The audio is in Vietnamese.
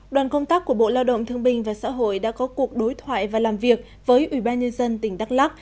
đoàn công tác của bộ lao động thương bình và xã hội đã có cuộc đối thoại và làm việc với ủy ban nhân dân tỉnh đắk lắc